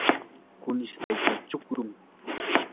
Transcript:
kunish aycha chukrum.